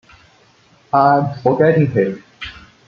I’m forgetting him.